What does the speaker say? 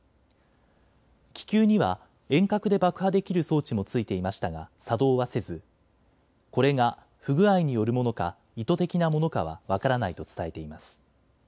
気球には遠隔で爆破できる装置も付いていましたが作動はせずこれが不具合によるものか意図的なものかは分からないと伝えています。